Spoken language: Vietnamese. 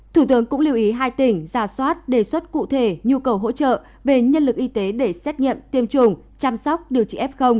thủ tướng cũng lưu ý hai tỉnh giả soát đề xuất cụ thể nhu cầu hỗ trợ về nhân lực y tế để xét nghiệm tiêm chủng chăm sóc điều trị f